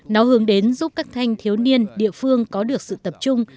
nó hướng đến giúp các thanh thiếu niên địa phương có được sự tập trung